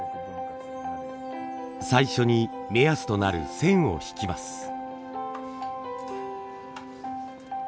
最初に目安となる線を引きます。